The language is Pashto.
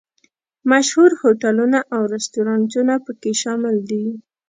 مشهور هوټلونه او رسټورانټونه په کې شامل دي.